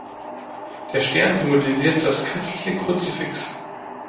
Der Stern symbolisiert das christliche Kruzifix.